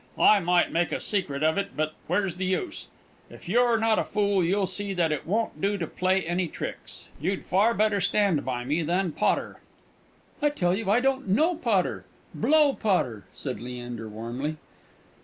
I might make a secret of it; but where's the use? If you're not a fool, you'll see that it won't do to play any tricks. You'd far better stand by me than Potter." "I tell you I don't know Potter. Blow Potter!" said Leander, warmly.